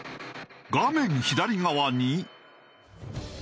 画面左側に。